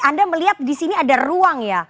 anda melihat di sini ada ruang ya